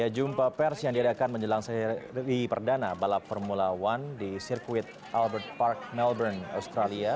jumpa pers yang diadakan menjelang seri perdana balap formula one di sirkuit albert park melbourne australia